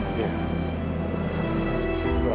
kamu juga anak supervision